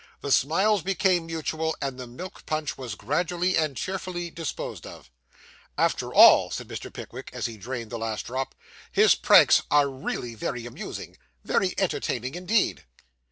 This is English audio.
The smiles became mutual, and the milk punch was gradually and cheerfully disposed of. 'After all,' said Mr. Pickwick, as he drained the last drop, 'his pranks are really very amusing; very entertaining indeed.